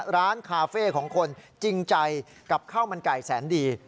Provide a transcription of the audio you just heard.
ร้านคาเฟ่ของคนจริงใจกับข้าวมันไก่แสนดี